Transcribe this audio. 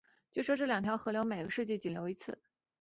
据说这两条河流每个世纪仅流一次。